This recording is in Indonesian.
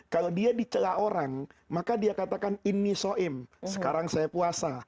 kalau dia dicelah orang maka dia katakan ini soim sekarang saya puasa